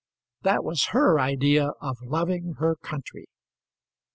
That was her idea of loving her country.